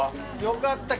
よかった。